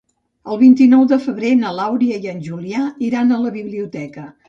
El vint-i-nou de febrer na Laura i en Julià iran a la biblioteca.